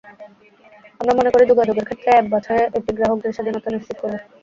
আমরা মনে করি, যোগাযোগের ক্ষেত্রে অ্যাপ বাছাইয়ে এটি গ্রাহকদের স্বাধীনতা নিশ্চিত করবে।